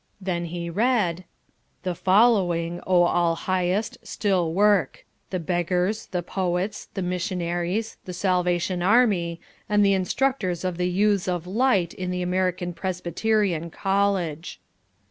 Then he read: "The following, O all highest, still work the beggars, the poets, the missionaries, the Salvation Army, and the instructors of the Youths of Light in the American Presbyterian College."